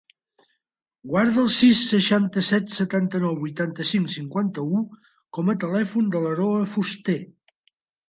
Guarda el sis, seixanta-set, setanta-nou, vuitanta-cinc, cinquanta-u com a telèfon de l'Aroa Fuster.